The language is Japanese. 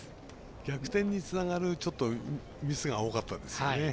逆転につながるミスが多かったですね。